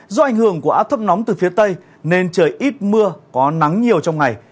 do ảnh hưởng của áp thấp nóng từ phía tây nên trời ít mưa có nắng nhiều trong ngày